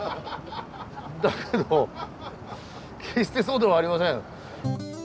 だけど決してそうではありません。